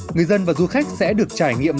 người dân và du khách sẽ được trải nghiệm